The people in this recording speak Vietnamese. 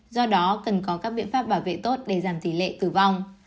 do đó cần có các biện pháp bảo vệ tốt để giảm tỷ lệ tử vong